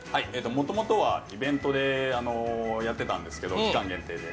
もともとはイベントでやってたんですけど、期間限定で。